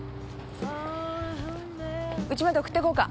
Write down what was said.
ウチまで送って行こうか？